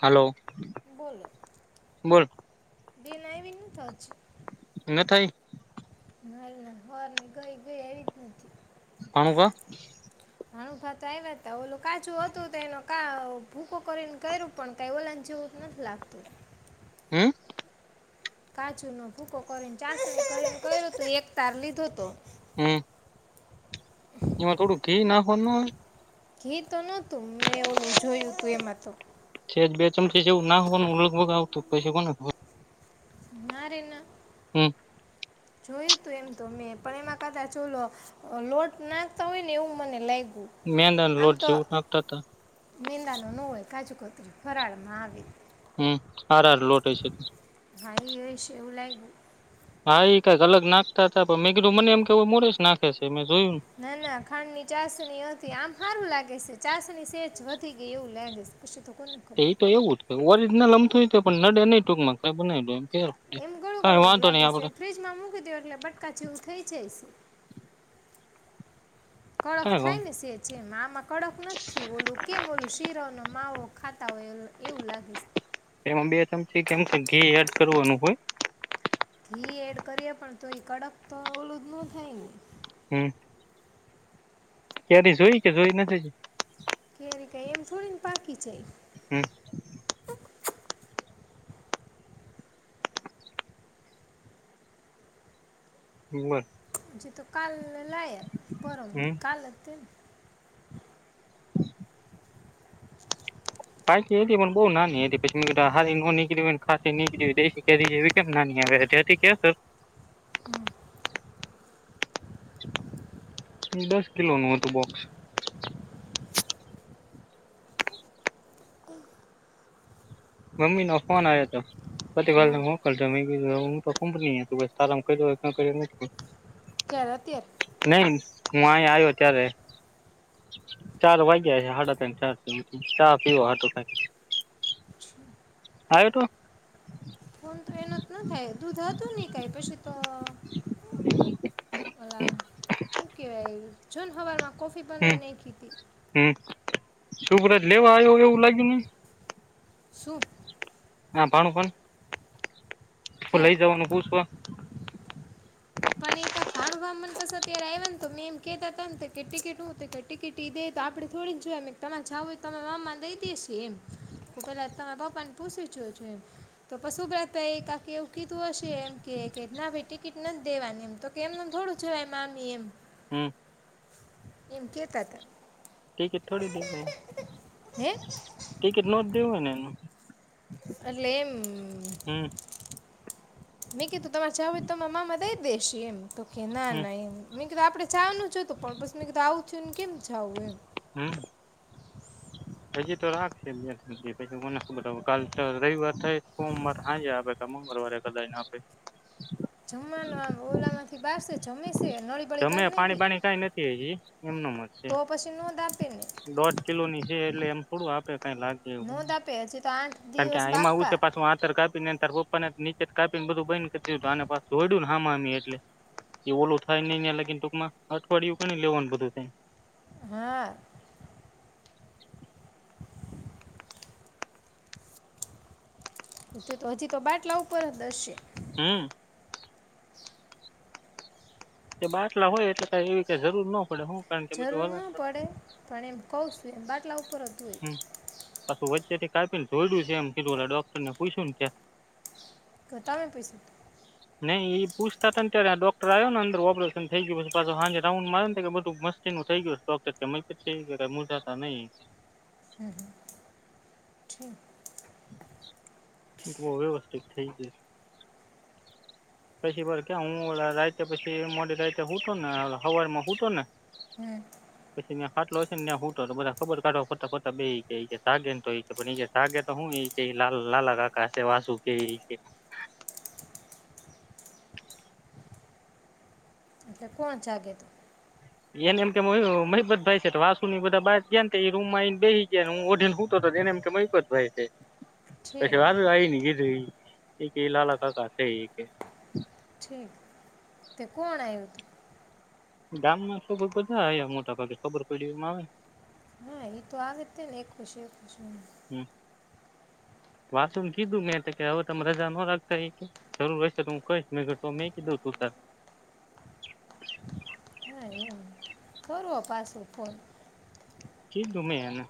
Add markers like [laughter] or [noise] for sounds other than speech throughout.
Hello બોલો બોલ. [unintelligible] નથ થઈ. [unintelligible] [unintelligible] નાણું ભા તો આવ્યા તા ઓલુ કાચું હતું તેનો. કા ભૂકો કરીને કર્યું પણ કઈ ઓલા ને જેવું નથી લાગતું. હમ. કાજુનો ભૂકો કરીન ચાસણી કરીન કયરુ તુ, એક તાર લીધો તો. હમ. એમાં થોડું ઘી નાખવેનું નો આવે? ઘી તો નતું, મેં ઓલું જોયું તું એમાં તો. સ્હેજ બે ચમચી જેવું નાખવાનું લગભગ આવતું. પછી કોને ખબર! ના રે ના. હમ જોયું તું એમ તો મેં. પણ એમાં કદાચ ઓલો લોટ નાખતા હોય ને એવું મને લાયગુ. મેંદાન લોટ જેવું નાખતા તા. કાજુકોતરી ફરાળમાં આવે. હં, હાર હાર લોટ હશે. હા એ હશે એવું લાગ્યું હા, એ કંઈક અલગ નાખતા હતા, પણ મેં કીધું મને એમ કે એવું મોરસ નાખે છે મેં જોયું ના ના ખાંડની ચાસણી હતી. આમ હારું લાગે સે. ચાસની સેજ વધી ગઈ એવું લાગે સે. તે, એ તો એવું જ. કંઈ ઓરિજનલ અમથું ય તે પણ નડે નંઈ ટૂકમાં. કંઈ બનાઈ દો એમ. ફેર પડે એમ ગળું કઈ ગળું જ વાંધો નહી લાગે છે. આપડે ફ્રીજમાં મૂકી દ્યો, એટલે બટકા જેવું થઈ જયશે. કડક કઈ થાય વાંધો ને સેચ એમ. આ કડક નથ થયું. કેમ ઓલું શીરો ન માવો ખાતા હોય એવું લાગે. એમાં બે ચમચી કેમ કે ઘી એડ કરવાનું હોય. ઘી એડ કરીએ પણ તો એ કડક તો ઓલું જ ન થાય ને? હમ. કેરી જોઈ કે જોઈ નથી. બાકી છે. હમ. હમ બ. હજી તો કાલ લાયા પરમ હમ કાલ જ તે. પાકી હતી પણ બહુ નાની હતી પછી મેં કીધું આ હારી ન નીકળી ખાસી નીકળી દેશી કેરી એવી કેમ નાની આવે કેસ. હમ. દસ કિલોનું હતું બોક્સ. મમ્મીનો ફોન આવ્યો હતો. હા [inaudible] હું તો કંપની ત તારા ક હો. ક્યારે અત્યારે? હું અહીં આવ્યો ત્યારે ચાર વાગ્યા છે સાડા ત્રણ ચાર ચા પીવા હાટુ થઈન. આવ્યો તો? ફોન તો એનો જ ન થાય દૂધ હતું ને કાંઈ પછી તો હું કેવાય જોન હવાર માં. કોફી હમ પણ નવી નખી હતી. હમ શુભરાજ લેવા આવ્યો હોય એવું લાગ્યું નહી. સુ? હા પણ કોણ હું ક્યાં લઈ જવાનું પૂછવા પણ એકા ભાણવા મન કસ ત્યારે આય્વ ને તો મેં એમ કેતા તા ને તે ટિકિટ હું તે કઈ ટિકિટ દે તો આપડે થોડી જ જોયા, મેં ક તમારે જાવું હોય તો તમે મામા દઈ દેશે એમ હ પેલા તમારા પપ્પાને પૂસી જો જો એમ તો પશુ [unintelligible] એક એવું કીધું હશે એમ કે કે ના ભઈ ટિકિટ ન દેવાની એમ તો કે એમનેમ થોડું જવાય મામી એમ હમ્મ. એમ કે તા તા. ટિકિટ થોડી દેવાય, હે ટિકિટ નો દેવું ને એમાં એટલે એમ મેં કીધુ તમારે જાવુ હોય તો તમા મામા દઈ દેેશે એમ. તો કે ના હમ ના એમ આપણે જાવાનું જ હતુ પણ પસી મેં કીધુ આવું ચૂન કેમ જાવુ એમ હમ હજી તો રાખશે બે તણ દિ પછી કોને ખબર [unintelligible] કાલ તો રવિવાર થાય, સોમવાર હાંજે આપે કાં મંગળવારે કદાચ આપે. જમવાનું આમ ઓલામાંથી બારશે, જમેશે, નળીબળી જમે કાઢ નાયખી ડોઢ કિલોની છે એટલે. એમ થોડું આપ કાંઈ લાગ. નોંધ [unintelligible] આપે હજી તો આઠ કારણ કે દિવસ એમાં એવું પાક્કા છે પાછું. [unintelligible] પન આત નીચેથી કાપીને બધુ બયન કર દીધું, અને પા જોડ્યું ને હામ હામી એટલે. એ ઓલું થાય નંઈ લીને ત્યાં લગીમાં. ટૂંકમાં અઠવાડિયું ગણી લેવાનું બધું થઈ ને. હા. તો હજી તો બાટલા ઉપર જ દશે. હમ. કે બાટલા હોય એટલે કાંઈ એવી કાંઈ જરૂર નો પડે હું. કારણ કે બધું જરૂર ના હલન પડે, પણ એમ કઉ છું એમ બાટલા ઉપર જ હોય હ, પાછું એસ્થેટિક કાપીને જોયડું છે એમ કીધું ઓલા ડોક્ટરને પૂયછું ને કે. કતામે પૈસા તો. નહીં એ પૂછતાતાને ત્યારે આ ડોક્ટર આવ્યો ને અંદર ઓપરેશન થઈ ગયું પછી પાછો હાંજે રાઉન્ડમાં આયવો ને તે કે બધું મસ્તીનું થઈ ગ્યું છે, ડોકર કે. મન કે [unintelligible] મૂંઝાતા નહી. હમ હ ઠીક. તો બો વ્યવસ્થિત થઈ ગ્યુ છે. પછી વાર ક્યા હું રાયતે પછી મોડી રાયતે હુતો ને, હવાર માં હુતો ને હમ પછી ન્યાં ખાટલો છે ને, ન્યાં હુતો તો, બધા ખબર કાઢવા ફરતા ફરતા બેઈ [unintelligible] શું એ કે લ લ લાલાકાકાએ સેવા શું કયરી, એ કે. એટલે કોણ જાગે તું? એને એમ કે મહીપતભાઈ છે તો વાસુની બધા બા જયાન તં ઈ રૂમમાં આઈને બેહી ગ્યા. હું ઓઢીન હુતોતો, તો એને એમ કે મહીપતભાઈ છે. ઠીક પછી વાત જ આવી નઈ કીધું ઈ. એક એ લ લ કકાશે એક. ઠીક તે કોણ આવ્યું તુ. ગામમાં શ બધા આ મોટા ભાગે ખબર પડી એમાં આવે. હા એ તો આ જ તે ને એક ખુશી એક ખુશી. હમ વાત કીધું મેં કે હવે તમ રજા ન રાખતા એ કે જરૂર રહેશે તો હું કહીશ મેં મેં કીધું તું. કરું હો પાસું ફોન. કીધું મેં એને.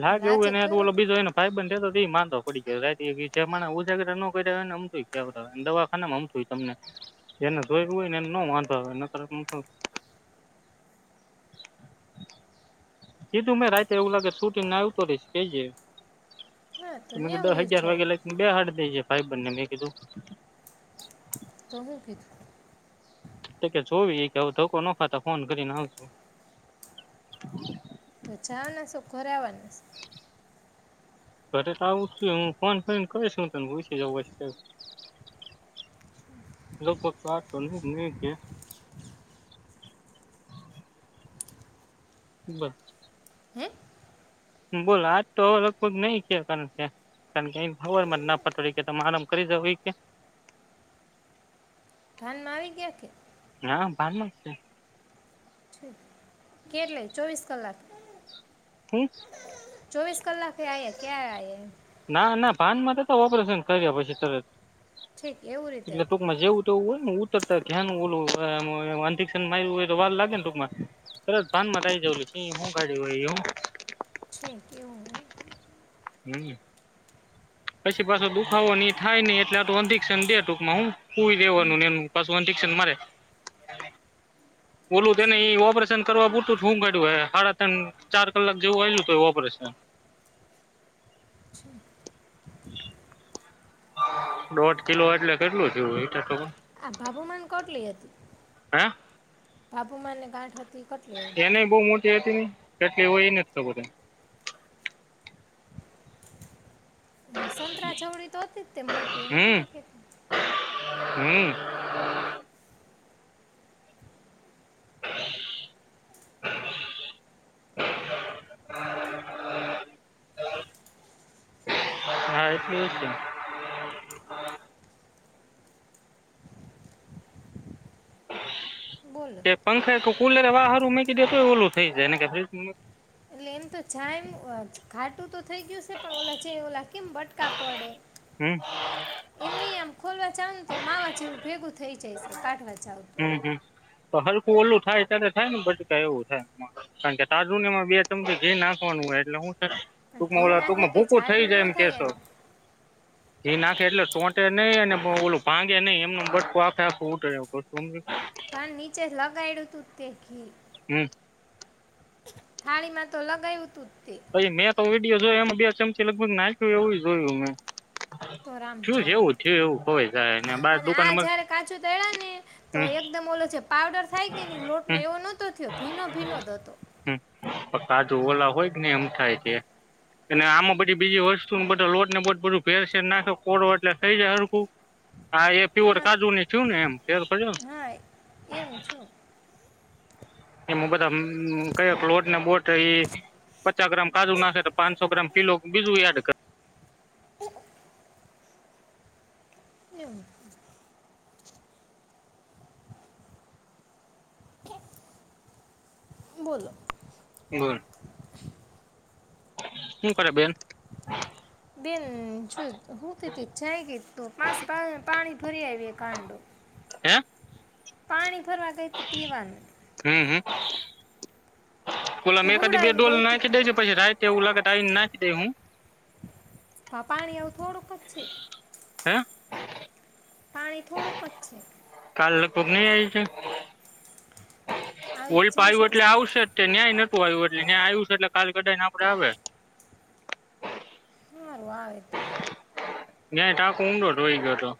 લાગ લાજે એવુંય ને કર્યો ઓલો તો બીજો એને ભાઈ બંધ થ મા. [unintelligible] સીધું મેં રાતે એવું લાગ શૂટિ ના આવતો રહીશ કેઈજે. હા તો મેં કીધું ન્યા દહ વયું અગિયાર વાગે જાવું લગી બેહાડી દેજે. ભાઈ બંને મેં કીધું. ત હું કીધું. તો કે જોવી કે આવ ધક્કો નખાતા ફોન કરીને આવજો. તો જવાના સો કે ઘરે અવાના. ઘરે તો આવું છું હું ફોન કરીને કહીશ હુ તને પૂછી જવું લોકો આ તો નહી નહી કે. બસ. હે બોલો આજ તો લગભગ નઈ કે કારણ કે કારણ એ ખબરમાં જ ના પતડી કે તમે આરામ કરી જાવ એ કે. ભાનમાં આવી ગયા કે. હા ભાનમાં છે. ઠીક. કેટલે ચોવીસ કલાક હે ચોવીસ કલાકે આ ક્યાં આ. ના ના ભાન માં તો હતો, ઓપરેશન કર્યા પછી તરત. ઠીક એવું રીતે હતું. તો હોય ને ઉતરતા ધ્યાન ઓલું અધિક માર હોય તો વા લાગે ને ટૂંકમાં, તરત ભાન માં રાઈ જવ હું ગાઢ હોય એું. છેક એવું એમ હમ્મ. પછી પાછો દુખાવો એ થાય નહી એટલે આું અધિક્શન દે ટૂંકમાં હું કુવી દેવાનું ને એનું પાછું અધિકશન મારે, બોલું તોને એ ઓપરેશન કરવા પૂરતું શું કાડ્યું હાડા તણ ચાર કલાક જેવું આયલું તો ઓપરેશન. ઠીક. દોઢ કિલો એટલે કેટલું થું ઈટર તો. આ ભભુમાન કોટલી હતી? હે બાબુમાન ને ગાંઠ હતી કટલી એને હતી બહુ મોટી હતી ને કેટલે એવું એ નથી તો બધ સંતરા છવડી તો હતીજ તે મોટી, એમ નતા કેતી હમ્મ. હા, એટલું એ છે. બોલો તે પંખે [unintelligible] પુલ વાહર ઉમેકી દે તો એ ઓલું થઈ જાયને કે [unintelligible] એટલે એમ તો જાયમ ખાટું તો થઈ ગયું છે, પણ ઓલા જે ઓલા કેમ બટકા પડે હમ એમ નહીં આમ ખોલવા જાવ તો માવા જેવું ભેગું થઈ જાય સે કાઢવા જા હમ, હમ. તો હલકું ઓલું થાય ત્યારે થાય ને બટકા એવું થાય. કારણ કે તારનું ને એમાં બે ચમકી ઘી નાખવાનું હોય એટલે હું છે પણ ટૂંકમાં ઘી ઓલા, નાખે ટૂંકમાં કે ભૂકું થઈ જાડું જાય એમ ન થાય કેશો. એને એ નાખે એટલે ચોંટે નહીં, અને ઓલું ભાંગે નહીં, એમનેમ બટકું આખેઆખું ઉતરે [unintelligible] તમ પણ નીચે લગાયડુતું તું જ તે ઘી. હમ. થાળીમાં તો લગાયવું તું જ. તે ભાઈ, મેં તો એમાં બે ચમચી લગભગ નાખ્યું એવું ય જોયું મેં. તો રામ થયું જાણ. જેવું થયું એવું હોય જાય ને બાર અને દુકાને આ જયારે કાજુ તયળાને, તો હમ એકદમ ઓલો જે પાવડર થાય કે ની લોટ નો, હમ એવો નહતો થ્યો. ભીનો ભીનો હતો. હમ કાજુ ઓલા હોય કેને એમ થાય છે. અને આમાં બધી બીજી વસ્તુ બધા લોટ ને બ બધું ભેરસેેર નાખે કોડો એટલે થઈ જાય હરખું હા એ પ્યોર આમાં કાજુની, થ્યું ને એમ. [unintelligible] એવું થ્યું. એમા બધા મ કયોક લોટ ને બોટ, એ પચા ગ્રામ કાજુ નાખે તો પાંચસો ગ્રામ કિલો બીજું એડ કર એમ બોલો ગણ, હું કરે બેન? બેન જો હુતિ તીત જાયગી તો [unintelligible] પાણી ભરી આવી કાંડો હે પાણી ભરવા ગઈ તી પીવાનું. તે ઓલામાં એકાદી બે હુડાઈને ડોલ ગઈ હતી નાખી તે દે છે પછી [unintelligible] તે એવું લાગત આઈ ન નાખી દે હું. [unintelligible] પાણી આવું થોડુંક જ છે. હે પાણી થોડુંકજ છે. [unintelligible] ઓલ આવી જ જશે પાયું એટલે પછી આવશે જ તે ન્યાય [unintelligible] [unintelligible] ન્યા આવ્યું છે એટલે કાલ કઢાઈને આપડે આવે હારુ આવે તો. ને ટાંકો ઊંડો ઢોય ગયો હતો.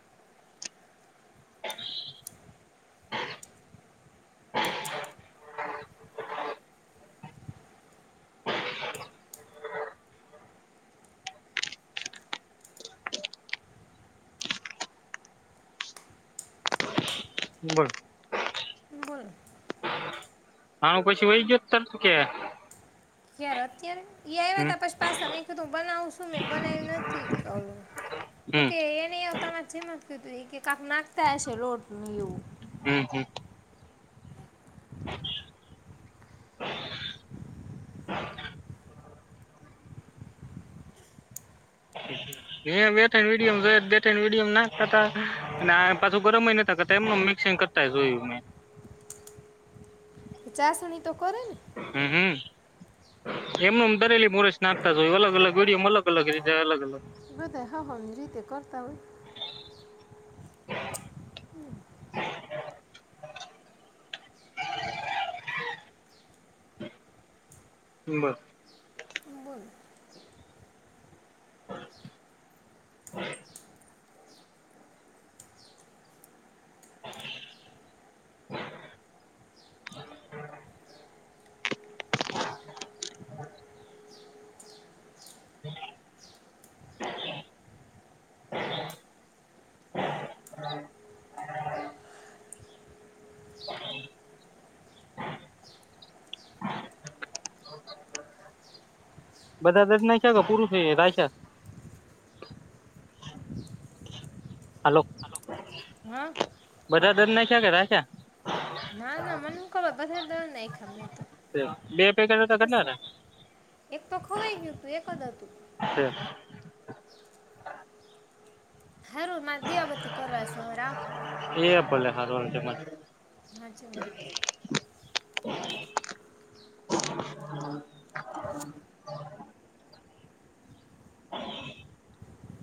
[inaudible] [inaudible] [inaudible] બોલ બોલો હાં, પછી વહી ગયો તર તો કે યાર અત્યારે એ આવ્યા હમ તા પછી પાસા, મે કીધું બનાવસુ મે બનાવ્યું નથી ક તો હમ કે એને આપતા [unintelligible] તો તે એ કે કાક નાખતા હશે લોટ હમ્મ, હમ્મ. [inaudible] અહીંયા બે ત્રણ વીડિઓમ જોયું તું બે ત્રણ વિડિઓ મા નાખાતા તા, ને આ પાછું ગરમય નતા કરતા, એમ મિક્સિંગ કરતા જોયું મે ચાશણી તો કરે ને હમ્મ, હમ્મ એમનેમ દરેલી મોરેશ નાખતા જ હોય અલગ અલગ વિડયોમાં અલગ અલગ રીતે અલગ અલગ હમ્મ જે તે કારતા હોય. બસ બોલો [inaudible] [inaudible] [inaudible] [inaudible] બધા દસ ના છે કે પૂરું થઈ જાય છે [unintelligible] હાલો હા. બધા દળ નાખ્યા કે રાખ્યા? ના ના મન હું ખબર બધા દળ નાખ્યા મેતો, બે પેકેટ હતા કેટલા [unintelligible] એક તો ખવાઈ ગયું તું, એક જ હતું. હતા હારું મારે દીવાબતી કરવા જાઉં, હવે રાખું એ ભલે [unintelligible] હાચી વાત છે. [inaudible] [inaudible]